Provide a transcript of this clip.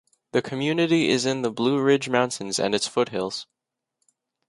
The community is in the Blue Ridge Mountains and its foothills.